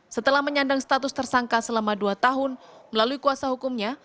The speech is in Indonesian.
setelah menyandang status tersangka selama dua tahun melalui kuasa hukumnya